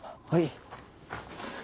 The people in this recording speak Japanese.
はい。